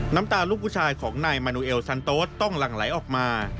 น้ำตาลูกผู้ชายของนายมานูเอลซันโต๊ดต้องหลั่งไหลออกมา